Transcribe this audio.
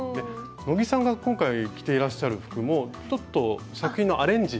野木さんが今回着ていらっしゃる服もちょっと作品のアレンジみたいな感じなんですか？